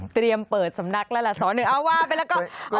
เตรียมเปิดสำนักแล้วล่ะ๒๑เอาว่าไปแล้วก็